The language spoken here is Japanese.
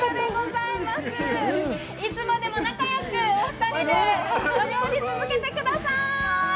いつまでも仲よくお二人でお料理続けてくださーい。